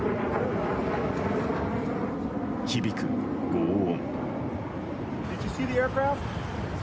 響く轟音。